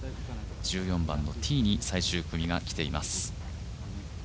１４番のティーに最終組が来ています。